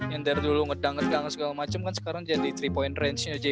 yang dari dulu ngedang segala macem kan sekarang jadi tiga point range nya aja